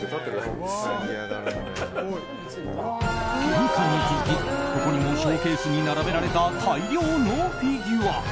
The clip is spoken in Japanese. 玄関に続き、ここにもショーケースに並べられた大量のフィギュア。